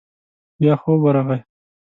بيا خوب ورغی.